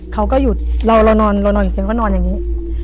เขาก็หยุดเรานอนเรานอนจริงก็นอนอย่างนี้